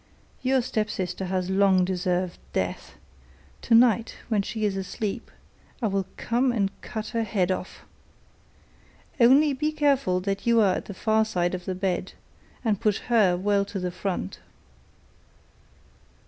Your stepsister has long deserved death; tonight when she is asleep I will come and cut her head off. Only be careful that you are at the far side of the bed, and push her well to the front.